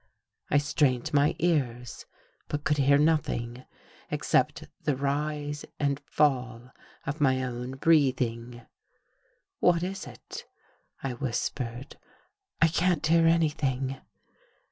I strained my ears, but could hear nothing, ex cept the rise and fall of my own breathing. " What is it? " I whispered. " I can't hear any thing.